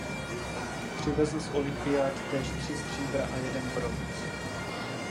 Přivezl z olympiád též tři stříbra a jeden bronz.